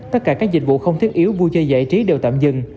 tất cả các dịch vụ không thiết yếu vui chơi giải trí đều tạm dừng